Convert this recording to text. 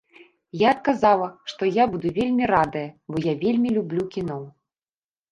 Я адказала, што я буду вельмі радая, бо я вельмі люблю кіно.